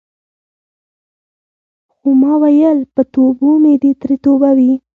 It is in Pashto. خو ما ویل په توبو مې دې ترې توبه وي.